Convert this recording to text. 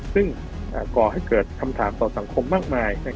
ซึ่งก่อให้เกิดคำถามต่อสังคมมากมาย